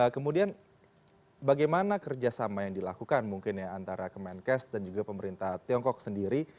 kemudian bagaimana kerjasama yang dilakukan mungkin ya antara kemenkes dan juga pemerintah tiongkok sendiri